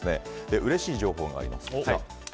うれしい情報があります。